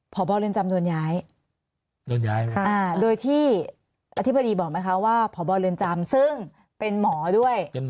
พบเรือนจำโดนย้ายโดนย้ายค่ะโดยที่อธิบดีบอกไหมคะว่าพบเรือนจำซึ่งเป็นหมอด้วย